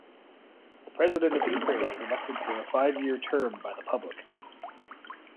The President of Ukraine is elected for a five-year term by the public.